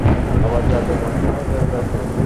আবার যাদুর মাধ্যমে ফেরত আসবে।